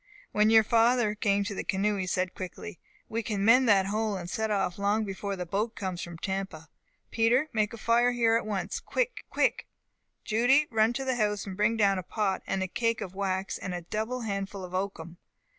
"When your father came to the canoe, he said quickly, 'We can mend that hole, and set off long before the boat comes from Tampa. Peter, make a fire here at once quick! quick! Judy, run to the house, and bring down a pot, and the cake of wax, and a double handful of oakum.